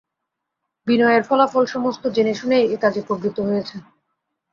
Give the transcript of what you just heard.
বিনয় এর ফলাফল সমস্ত জেনে-শুনেই এ কাজে প্রবৃত্ত হয়েছে।